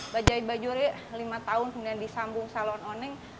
bajaj bajore lima tahun kemudian disambung salon oneng